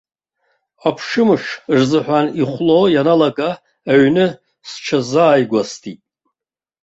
Аԥшьымш рзыҳәан, ихәло ианалага, аҩны сҽазааигәастәит.